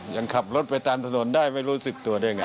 ยังขับรถไปตามถนนได้ไม่รู้สึกตัวได้ไง